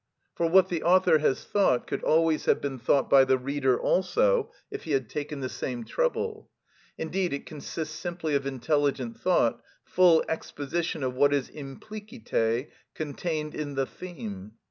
For what the author has thought could always have been thought by the reader also, if he had taken the same trouble; indeed it consists simply of intelligent thought, full exposition of what is implicite contained in the theme.